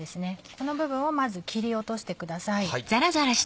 この部分をまず切り落としてください。